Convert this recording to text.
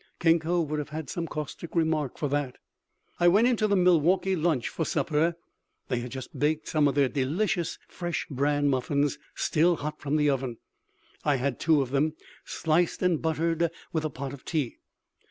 Kenko would have had some caustic remark for that. I went into the Milwaukee Lunch for supper. They had just baked some of their delicious fresh bran muffins, still hot from the oven. I had two of them, sliced and buttered, with a pot of tea.